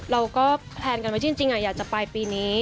เราก็แผนกันไว้ว่าจริงอยากจะไปปีนี้